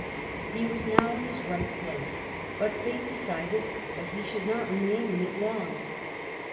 He was now in his right place, but fate decided that he, should not remain in it long.